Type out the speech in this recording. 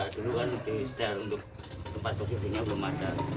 dulu kan di setel untuk tempat kursi rodanya belum ada